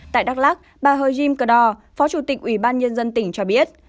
tại đắk lắc bà hờ jim cờ đò phó chủ tịch ủy ban nhân dân tỉnh cho biết